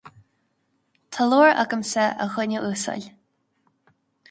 Tá leabhar agamsa, a dhuine uasail